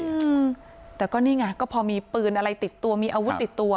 อืมแต่ก็นี่ไงก็พอมีปืนอะไรติดตัวมีอาวุธติดตัว